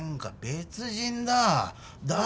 別人だ。